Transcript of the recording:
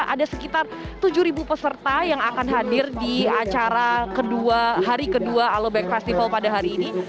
ada sekitar tujuh peserta yang akan hadir di acara hari kedua alobank festival pada hari ini